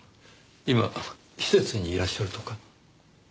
今施設にいらっしゃるとか。